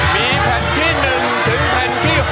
มีแผ่นที่๑ถึงแผ่นที่๖